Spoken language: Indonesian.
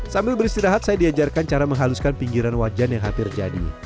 sambil beristirahat saya diajarkan cara menghaluskan pinggiran wajan yang hampir jadi